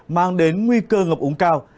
mang đến nguy cơ ngập ống cao